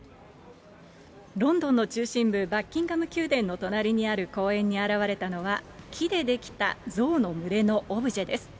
ロンドンの中心部、バッキンガム宮殿の隣にある公園に現れたのは、木で出来た象の群れのオブジェです。